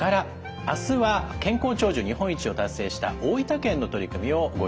あすは健康長寿日本一を達成した大分県の取り組みをご紹介します。